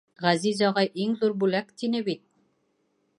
Ғәзиз ағай, иң ҙур бүләк, тине бит.